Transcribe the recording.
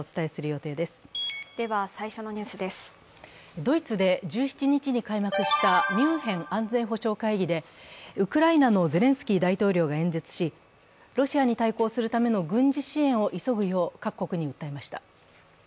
ドイツで１７日に開幕したミュンヘン安全保障会議でウクライナのゼレンスキー大統領が演説し、ロシアに対抗するための軍事支援を急ぐよう各国に訴えました。